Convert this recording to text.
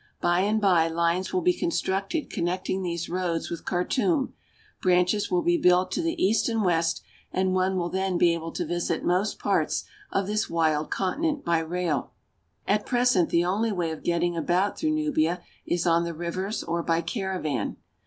By and by lines will be constructed connecting these roads with Khartum, branches will be built to the east and west, NUBIA 117 1 and one will then be able to visit most parts of this wild continent by rail. At present the only way of getting about through Nubia is on the rivers or by caravan.